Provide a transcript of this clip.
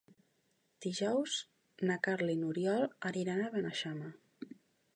Dijous na Carla i n'Oriol aniran a Beneixama.